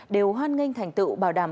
đều hoan nghênh thành tựu bảo đảm